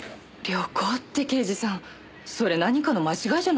旅行って刑事さんそれ何かの間違いじゃないですか？